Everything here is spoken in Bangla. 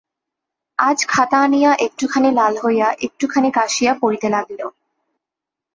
আজ খাতা আনিয়া একটুখানি লাল হইয়া, একটুখানি কাশিয়া, পড়িতে আরম্ভ করিল।